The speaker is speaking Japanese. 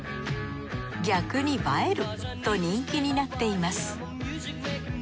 逆に映えると人気になっています。